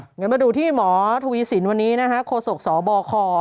เดี๋ยวมาดูที่หมอทุยศิลป์วันนี้โคศกสบค